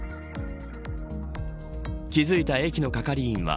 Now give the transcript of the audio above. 気付いた駅の係員は